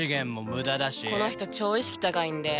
この人超意識高いんで。